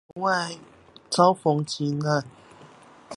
在國外遭逢急難